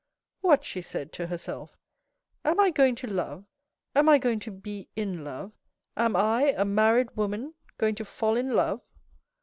" What," she said to herself, " Am I going to love, am I going to be in love ? Am I, a married woman, going to fall in love